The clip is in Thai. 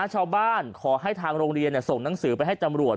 ชาวบ้านขอให้ทางโรงเรียนส่งหนังสือไปให้จำลวด